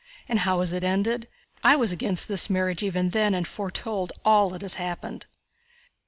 And how has it ended? I was against this marriage even then and foretold all that has happened."